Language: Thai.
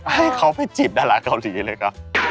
ให้เขาไปจีบดาราเกาหลีเลยครับ